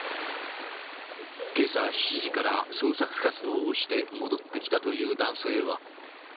けさ７時から捜索活動をして戻ってきたという男性は。